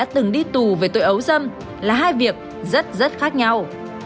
từng đi tù về tội ấu dâm là hai việc rất rất khác nhau